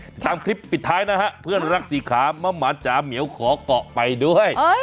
ติดตามคลิปปิดท้ายนะฮะเพื่อนรักสี่ขามะหมานจ๋าเหมียวขอเกาะไปด้วย